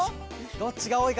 どっちがおおいかな？